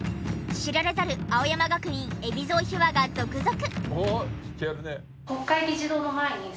知られざる青山学院海老蔵秘話が続々。